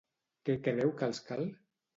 Què creu que els cal?